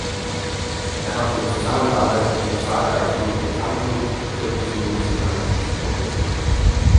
Er hat in Zusammenarbeit mit zahlreichen bekannten türkischen Musikern Hits produziert.